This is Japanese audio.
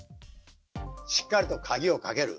しっかりと鍵をかける。